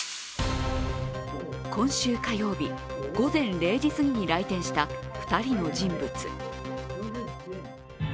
今週火曜日、午前０時すぎに来店した２人の人物。